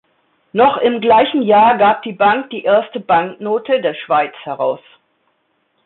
Noch im gleichen Jahr gab die Bank die erste Banknote der Schweiz heraus.